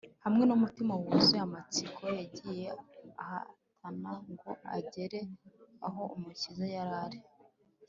Hamwe n’umutima wuzuye amatsiko, yagiye ahatana ngo agere aho Umukiza yari ari